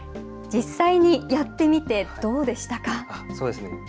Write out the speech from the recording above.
実際にやってみて、どうでしたか？